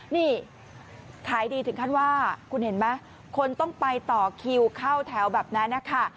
นี่ขายดีถึงขั้นว่าคุณเห็นไหมคนต้องไปต่อคิวเข้าแถวแบบนั้นนะคะ